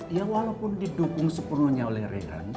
ya walaupun didukung sepenuhnya oleh rekan